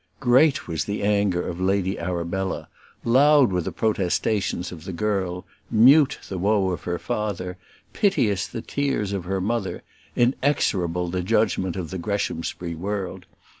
Great was the anger of Lady Arabella, loud were the protestations of the girl, mute the woe of her father, piteous the tears of her mother, inexorable the judgment of the Greshamsbury world.